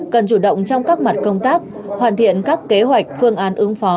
cần chủ động trong các mặt công tác hoàn thiện các kế hoạch phương án ứng phó